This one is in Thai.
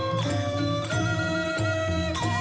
โอ้โหโอ้โหโอ้โห